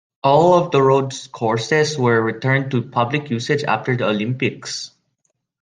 All of the road courses were returned to public usage after the Olympics.